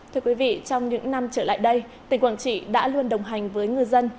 thưa quý vị trong những năm trở lại đây tỉnh quảng trị đã luôn đồng hành với ngư dân